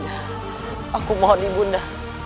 aku maunya bunda